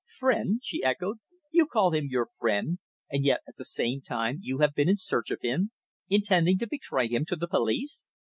"Friend!" she echoed. "You call him your friend, and yet at the same time you have been in search of him, intending to betray him to the police!"